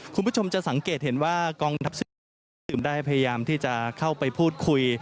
คุณผู้ชมจะสังเกตเห็นว่ากองทัพสื่อมวลชนได้พยายามที่จะเข้าไปพูดคุย